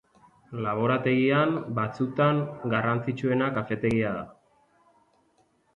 Laborategian, batzutan, garrantzitsuena kafetegia da.